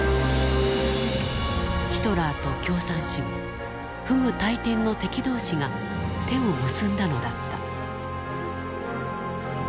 ヒトラーと共産主義不倶戴天の敵同士が手を結んだのだった。